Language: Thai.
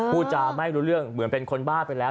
พูดจาไม่รู้เรื่องเหมือนเป็นคนบ้าไปแล้ว